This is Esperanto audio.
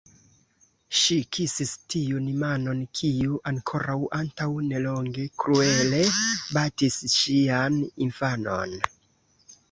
Ŝi kisis tiun manon, kiu ankoraŭ antaŭ nelonge kruele batis ŝian infanon.